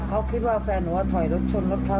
เขาคิดว่าแฟนหนูว่าถอยรถชนรถเขา